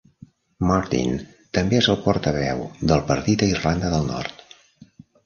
Martin també és el portaveu del partit a Irlanda del Nord.